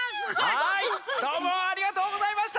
はいどうもありがとうございました。